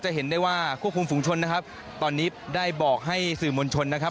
เห็นได้ว่าควบคุมฝุงชนนะครับตอนนี้ได้บอกให้สื่อมวลชนนะครับ